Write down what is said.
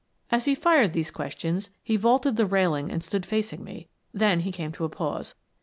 " As he fired these questions, he vaulted the railing and stood facing me. Then he came to a pause.